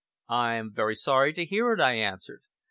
"I am very sorry to hear it," I answered.